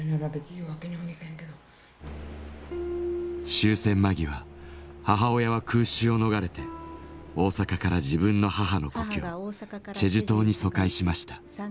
終戦間際母親は空襲を逃れて大阪から自分の母の故郷チェジュ島に疎開しました。